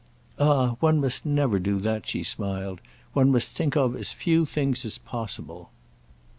"Ah one must never do that," she smiled. "One must think of as few things as possible."